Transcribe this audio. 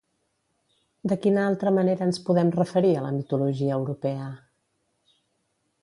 De quina altra manera ens podem referir a la mitologia europea?